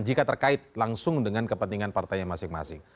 jika terkait langsung dengan kepentingan partainya masing masing